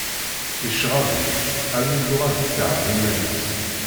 Yecɣeb-itt armi tuɣal tekreh iman-is.